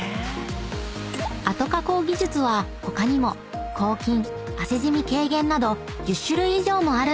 ［後加工技術は他にも抗菌汗じみ軽減など１０種類以上もあるんです。